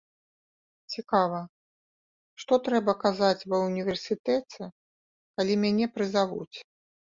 Цікава, што трэба казаць ва ўніверсітэце, калі мяне прызавуць?